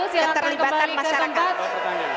silakan kembali ke tempat